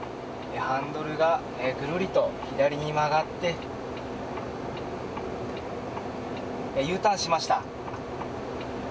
ハンドルがぐるりと左に曲がってＵターンしました。